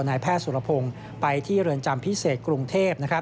นายแพทย์สุรพงศ์ไปที่เรือนจำพิเศษกรุงเทพ